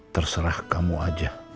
terserah kamu aja